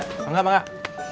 enggak enggak enggak